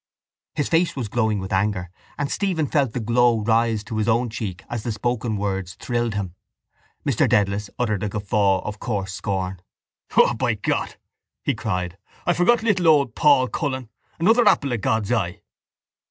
His face was glowing with anger and Stephen felt the glow rise to his own cheek as the spoken words thrilled him. Mr Dedalus uttered a guffaw of coarse scorn. —O, by God, he cried, I forgot little old Paul Cullen! Another apple of God's eye!